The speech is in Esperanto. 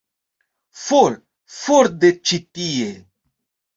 For, for de ĉi tie!